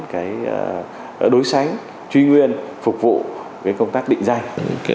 cái đối sánh truy nguyên phục vụ với công tác định danh